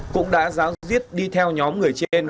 cũng đã dám giết đi theo nhóm người trên